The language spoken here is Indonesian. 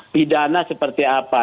pidana seperti apa